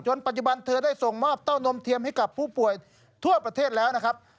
ปัจจุบันเธอได้ส่งมอบเต้านมเทียมให้กับผู้ป่วยทั่วประเทศแล้วนะครับ